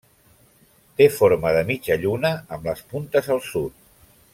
Té forma de mitja lluna amb les puntes al sud.